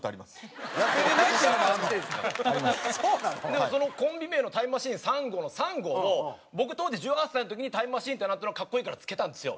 でもそのコンビ名のタイムマシーン３号の「３号」も僕当時１８歳の時に「タイムマシーン」ってなんとなく格好いいから付けたんですよ。